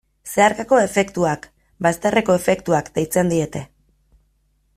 Zeharkako efektuak, bazterreko efektuak, deitzen diete.